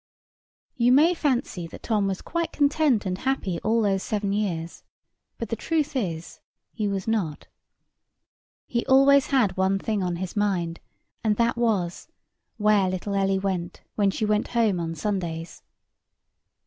You may fancy that Tom was quite content and happy all those seven years; but the truth is, he was not. He had always one thing on his mind, and that was—where little Ellie went, when she went home on Sundays.